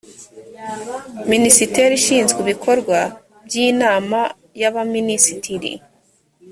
minisiteri ishinzwe ibikorwa by inama y abaminisitiri